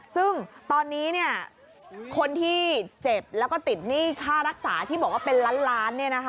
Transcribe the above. ซึ่งตอนนี้คนที่เจ็บแล้วก็ติดหนี้ค่ารักษาที่บอกว่าเป็นล้านล้าน